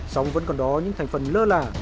xong vẫn còn đó những thành phần lơ là